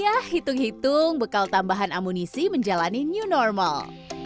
ya hitung hitung bekal tambahan amunisi menjalani new normal